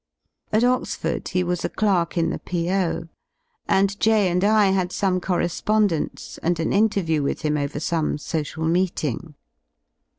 At Oxford he was a clerk in the P.O., and J and I had some corre spondence and an interview with him over some social meeting.